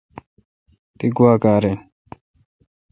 تی گوا کار این۔